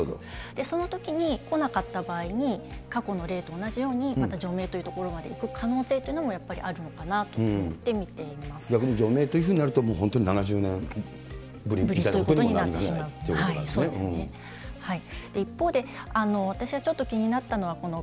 そのときに、来なかった場合に、過去の例と同じように、また除名というところにまでいく可能性がやっぱりあるのかなと思逆に除名というふうになると、本当に７０年ぶりということになってしまうということなんですね。ということになってしまう、そうですね。